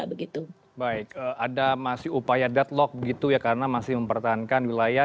baik ada masih upaya deadlock karena masih mempertahankan wilayah